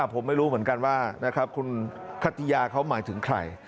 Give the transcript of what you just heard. ผมไม่รู้เหมือนกันว่าคุณคัตยาเขาหมายถึงใคร